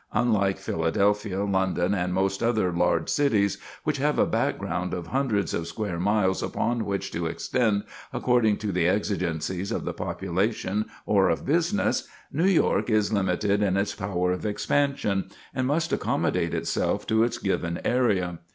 Unlike Philadelphia, London, and most other large cities, which have a background of hundreds of square miles upon which to extend according to the exigencies of the population or of business, New York is limited in its power of expansion, and must accommodate itself to its given area.